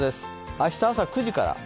明日朝９時から。